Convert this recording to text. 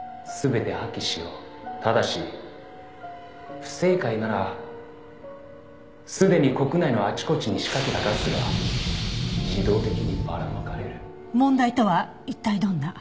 「ただし不正解ならすでに国内のあちこちに仕掛けたガスが自動的にばらまかれる」問題とは一体どんな？